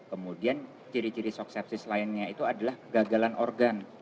kemudian ciri ciri shock sepsis lainnya itu adalah gagalan organ